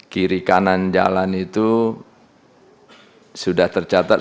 kiri kanan jalan itu sudah tercatat